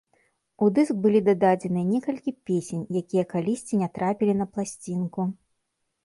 У дыск былі дададзеныя некалькі песень, якія калісьці не трапілі на пласцінку.